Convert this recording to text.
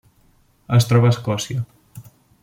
Es troba a Escòcia.